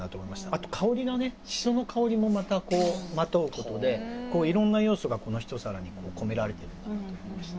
あと香りがねシソの香りもまとうことでいろんな要素がこの一皿に込められてるんだなと思いました。